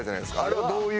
あれはどういう？